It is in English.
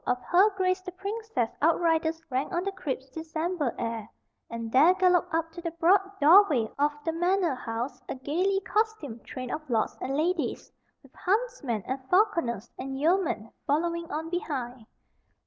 of Her Grace the Princess' outriders rang on the crisp December air, and there galloped up to the broad doorway of the manor house, a gayly costumed train of lords and ladies, with huntsmen and falconers and yeomen following on behind.